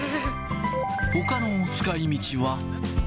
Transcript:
ほかの使いみちは。